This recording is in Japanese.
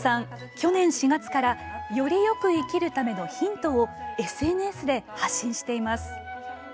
去年４月からより良く生きるためのヒントをＳＮＳで発信しています。